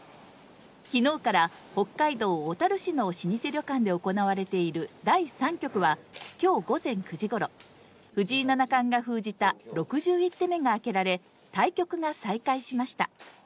昨日から北海道小樽市の老舗旅館で行われている第３局は今日午前９時ごろ、藤井七冠が封じた６１手目が開けられ、対局が再開しました。